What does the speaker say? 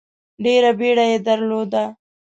ډېره بیړه یې درلوده.